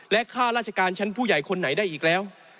ข้าราชการชั้นผู้ใหญ่คนไหนได้อีกแล้ว